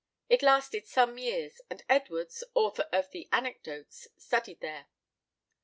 It lasted some years, and Edwards, author of the Anecdotes, studied there.